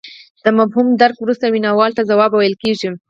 د مفهوم د درک وروسته ویناوال ته ځواب ویل کیږي